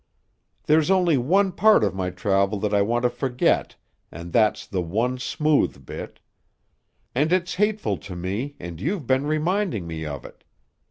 "There's only one part of my travel that I want to forget and that's the one smooth bit. And it's hateful to me and you've been reminding me of it.